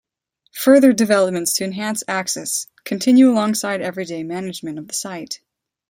Further developments to enhance access continue alongside everyday management of the site.